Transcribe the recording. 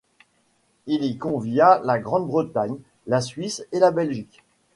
Il y convia la Grande-Bretagne, la Suisse et la Belgique.